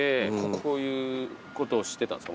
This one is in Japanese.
こういうことをしてたんですか？